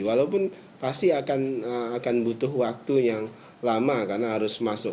walaupun pasti akan butuh waktu yang lama karena harus masuk